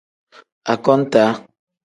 Akontaa.